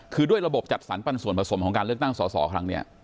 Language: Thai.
คือด้วยระบบจัดสรรปันส่วนผสมของการเลือกตั้งสอสอครั้งนี้